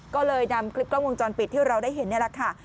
ก็เลยนำคลิปกล้องวงจรปิดที่เราได้เห็นนี่แหละค่ะ